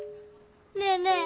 ねえねえ